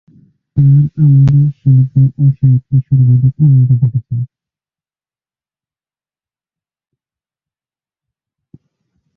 তার আমলেই শিল্প ও স্থাপত্যের সর্বাধিক উন্নতি ঘটে।